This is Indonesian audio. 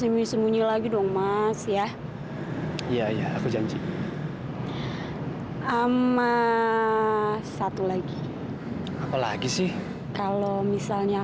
mas pulangnya jadi kemalaman ya